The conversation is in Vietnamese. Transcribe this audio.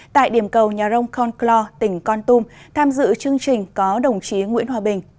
tại điểm cầu nhà rông con clou tỉnh con tum tham dự chương trình có đồng chí nguyễn hòa bình